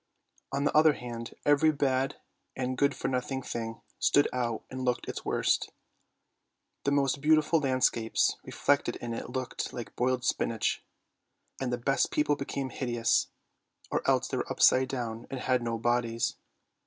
On the other hand, every bad and good for nothing thing stood out and looked its worst. The most beauti ful landscapes reflected in it looked like boiled spinach, and the best people became hideous, or else they were upside down and had no bodies.